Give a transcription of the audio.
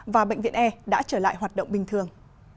và bệnh viện e đã trở lại hoạt động bình thường